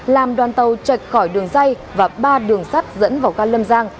làm đoàn tàu chạy khỏi đường dây và ba đường sắt dẫn vào gà lâm giang